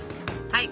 はい！